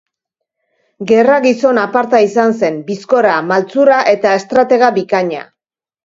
Gerra-gizon aparta izan zen, bizkorra, maltzurra eta estratega bikaina.